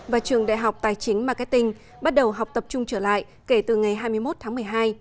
và trường đại học tài chính marketing bắt đầu học tập trung trở lại kể từ ngày hai mươi một tháng một mươi hai